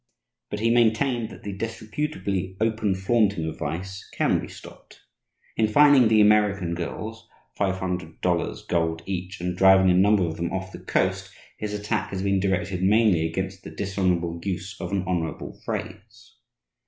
But he maintained that the disreputably open flaunting of vice can be stopped. In fining the "American girls" $500 (gold) each, and driving a number of them off the Coast, his attack has been directed mainly against the dishonourable use of an honourable phrase.